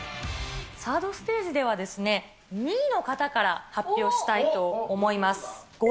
サードステージでは、２位の方から発表したいと思います。